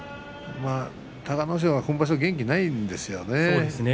隆の勝は今場所元気がないんですよね。